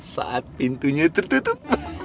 saat pintunya tertutup